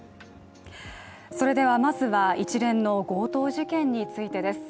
それではまずは一連の強盗事件についてです。